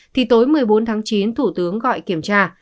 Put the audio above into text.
thì tối một mươi bốn tháng chín thủ tướng gọi kiểm tra